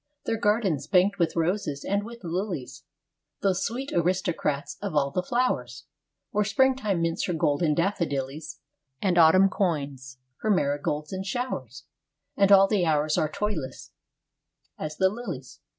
Their gardens, banked with roses and with lilies Those sweet aristocrats of all the flowers Where Springtime mints her gold in daffodillies, And Autumn coins her marigolds in showers, And all the hours are toilless as the lilies.